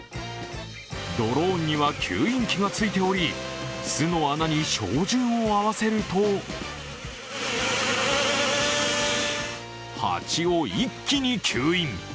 ドローンには吸引機がついており、巣の穴に照準を合わせるとハチを一気に吸引。